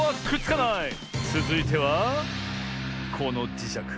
つづいてはこのじしゃく。